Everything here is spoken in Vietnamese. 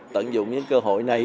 tận dụng những cơ hội này